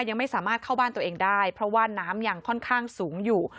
ยังไม่สามารถเข้าบ้านตัวเองได้เพราะว่าน้ำยังค่อนข้างสูงอยู่